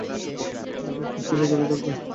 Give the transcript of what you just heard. আর বিপদ থেকে দূরে থাকবে।